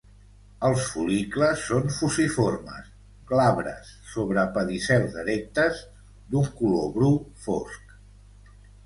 Els fol·licles són fusiformes, glabres, sobre pedicels erectes, d'un color bru fosc.